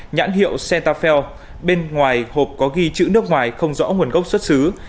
nhãn hiệu cettafel bên ngoài hộp có ghi chữ nước ngoài không rõ nguồn gốc xuất xứ